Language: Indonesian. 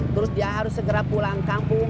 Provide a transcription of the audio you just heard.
terus dia harus segera pulang kampung